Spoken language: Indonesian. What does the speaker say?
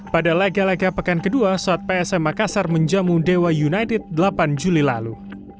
pada laga laga pekan kedua saat psm makassar menjamu dewa united delapan juli lalu